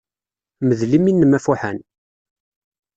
Mdel imi-nnem afuḥan.